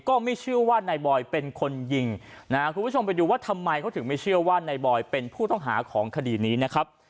ก็ไม่เชื่อว่านายบอยเป็นคนยิงนะฮะคุณผู้ชมไปดูว่าทำไมเขาถึงไม่เชื่อว่านายบอยเป็นผู้ต้องหาของคดีนี้นะครับ